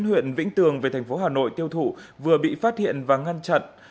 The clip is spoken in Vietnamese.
huyện vĩnh tường về thành phố hà nội tiêu thụ vừa bị phát hiện và ngăn chặn